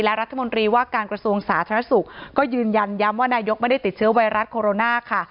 และรัฐมนตรีว่าการกระทรวงสาธารณสุขก็ยืนยันย้ำว่านายกไม่ได้ติดเชื้อไวรัสโคโรนาค่ะ